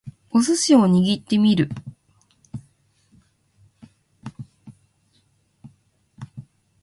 お寿司を握ってみる